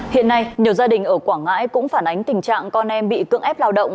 hiện nay nhiều gia đình ở quảng ngãi cũng phản ánh tình trạng con em bị cưỡng ép lao động